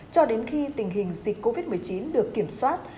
cho đến khi tình hình dịch covid một mươi chín được kiểm soát